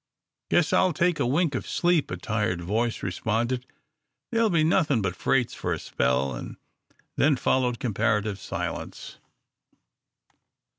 "Guess I'll take a wink of sleep," a tired voice responded, "there'll be nothing but freights for a spell," and then followed comparative silence.